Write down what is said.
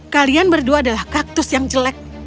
kalian berdua adalah kaktus yang jelek